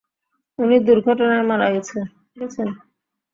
উনি দূর্ঘটনায় মারা গেছেন।